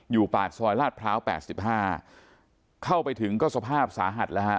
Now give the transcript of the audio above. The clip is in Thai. ปากซอยลาดพร้าว๘๕เข้าไปถึงก็สภาพสาหัสแล้วฮะ